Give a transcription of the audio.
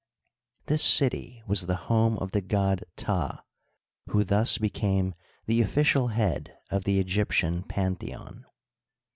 This city was the home of the god Ptah, who thus became the official head of the Egyptian pantheon.